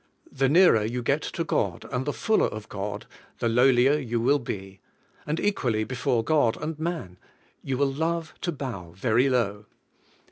The nearer you get to God, and the fuller of God, the lowlier you will be; and equally before God and man, you will love to bow very low.